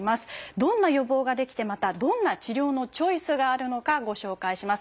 どんな予防ができてまたどんな治療のチョイスがあるのかご紹介します。